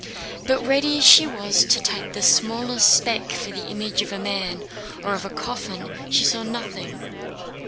But ready as she was to take the smallest speck for the image of a man or of a coffin, she saw nothing.